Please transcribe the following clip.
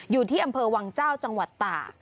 อยู่ที่อำเภอวังเจ้าจังหวัดตาก